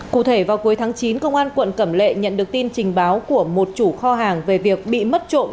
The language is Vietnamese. cụ thể vào cuối tháng chín công an quận cẩm lệ nhận được tin trình báo của một chủ kho hàng về việc bị mất trộm